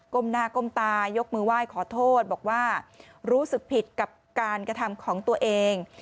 หน้าก้มตายกมือไหว้ขอโทษบอกว่ารู้สึกผิดกับการกระทำของตัวเอง